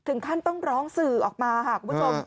ท่านต้องร้องสื่อออกมาค่ะคุณผู้ชม